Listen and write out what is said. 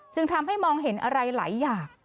จึงทำให้มองเห็นอะไรหลายอย่าง